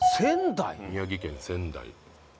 宮城県仙台